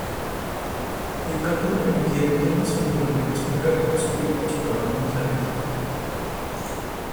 El cátodo emitía electrones cuando los iones con carga positiva chocaban contra el metal.